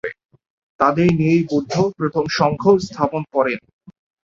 তাদের নিয়েই বুদ্ধ প্রথম সংঘ স্থাপন করেন।